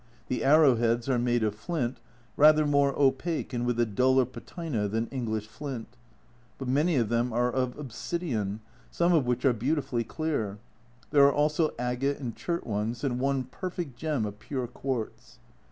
The arrowheads are made of flint, rather more opaque and with a duller patina than English flint. But many of them are of obsidian, some of which are beautifully clear. There are also agate and chert ones, and one perfect gem of pure quartz.